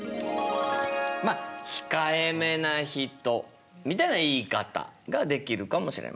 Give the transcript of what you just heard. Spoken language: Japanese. まあ控えめな人みたいな言い方ができるかもしれない。